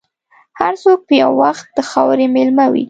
هر څوک به یو وخت د خاورې مېلمه وي.